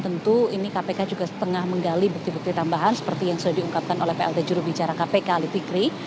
tentu ini kpk juga setengah menggali bukti bukti tambahan seperti yang sudah diungkapkan oleh plt juru bicara kpk alipigri